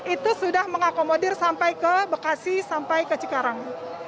itu sudah mengakomodir sampai ke bekasi sampai ke cikarang